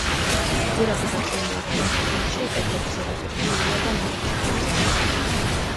გვირაბი გაჭრილია ქვიან თიხნარში, კედლების ზედაპირი გლუვია და მოთეთრო ფერი დაჰკრავს.